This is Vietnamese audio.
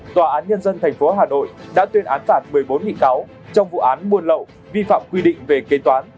tòa án nhân dân thành phố hà nội đã tuyên án phản một mươi bốn bị cáo trong vụ án muôn lậu vi phạm quy định về kế toán